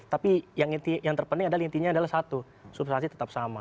tapi yang terpenting adalah intinya adalah satu substansi tetap sama